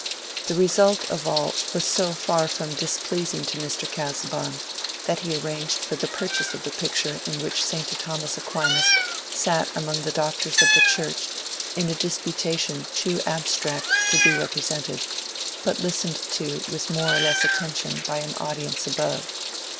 The result of all was so far from displeasing to Mr. Casaubon, that he arranged for the purchase of the picture in which Saint Thomas Aquinas sat among the doctors of the Church in a disputation too abstract to be represented, but listened to with more or less attention by an audience above.